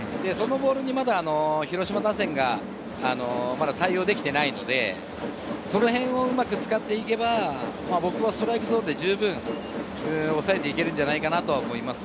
そのボールにまだ広島打線が対応できていないので、そのへんをうまく使っていけば、僕はストライクゾーンで十分、抑えていけるのではないかと思います。